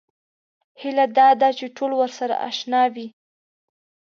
هیله دا ده چې ټول ورسره اشنا وي.